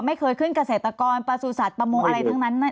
ไม่เคยขึ้นเกษตรกรประสุทธิ์ประมงอะไรทั้งนั้น